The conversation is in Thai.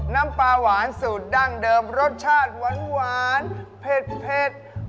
น้ำปลาหวานสูตรดั้งเดิมรสชาติหวานเผ็ด